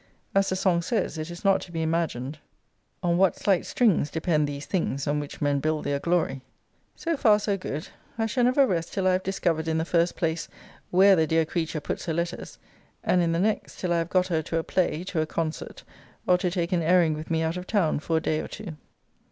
As the song says, it is not to be imagined On what slight strings Depend these things On which men build their glory! So far, so good. I shall never rest till I have discovered in the first place, where the dear creature puts her letters; and in the next till I have got her to a play, to a concert, or to take an airing with me out of town for a day or two.